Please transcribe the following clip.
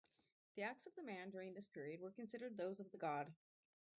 The acts of the man during this period were considered those of the god.